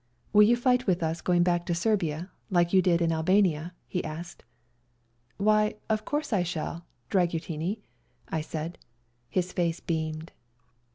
" Will you fight with us going back to Serbia, like you did in Albania ?" he asked. " Why, of course I shall, Dragoutini," I said. His face beamed.